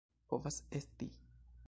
Povas esti.